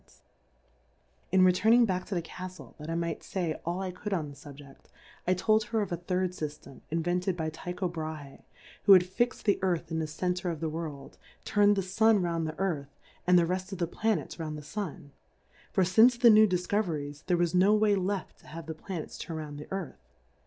In 3 6 Difcourfes on the In returning back to the Caftle, that I might fay all I could on the Subjeft, I told her of a third Syftem, invented by Ticho Brahe, who had fix'd the Earth in the Center of the World, turn'd the S tm round the Earthy and the reft of the Planets round tlie Sun ; for fince tlie New Difcoveries, there was no Way left to have the Planets turn round the Earth.